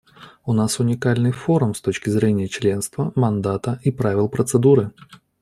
У нас уникальный форум с точки зрения членства, мандата и правил процедуры.